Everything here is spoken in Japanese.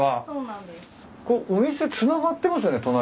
お店つながってますよね？